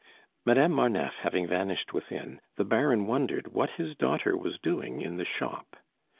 Madame Marneffe having vanished within, the Baron wondered what his daughter was doing in the shop.